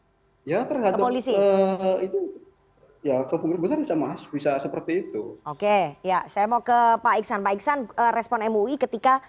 oh ya terhadap itu ya bisa seperti itu oke ya saya mau ke pak iksan pak iksan respon mui ketika